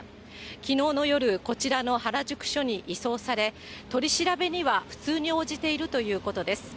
きのうの夜、こちらの原宿署に移送され、取り調べには普通に応じているということです。